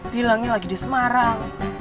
bilangnya lagi di semarang